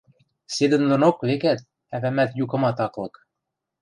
Седӹндонок, векӓт, ӓвӓмӓт юкымат ак лык.